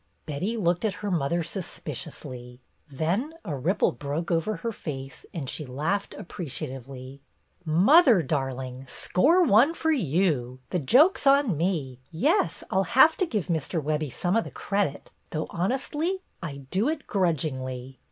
Betty looked at her mother suspiciously. Then a ripple broke over her face, and she laughed appreciatively. " Mother, darling, score one for you ! The joke 's on me! Yes, I 'll have to give Mr. Webbie some of the credit, though honestly I do it grudgingly."